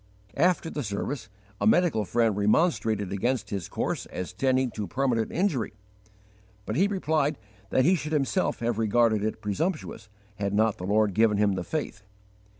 After the service a medical friend remonstrated against his course as tending to permanent injury; but he replied that he should himself have regarded it presumptuous had not the Lord given him the faith.